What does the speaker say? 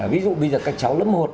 ví dụ bây giờ các cháu lớp một